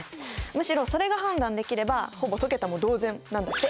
むしろそれが判断できればほぼ解けたも同然なんだって。